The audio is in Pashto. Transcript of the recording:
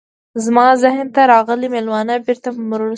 زما ذهن ته راغلي میلمانه بیرته مرور شول.